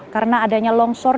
karena adanya longsor